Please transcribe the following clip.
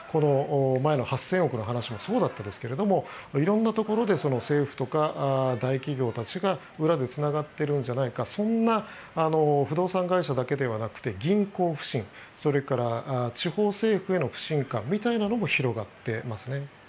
前の８０００億の話もそうだったんですけど色んなところで政府とか大企業たちが裏でつながっているんじゃないかそんな不動産会社だけではなくて銀行不信、それから地方政府への不信感みたいなのも広がってますね。